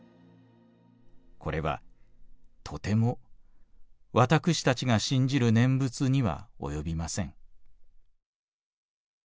これはとても私たちが信じる念仏には及びません」。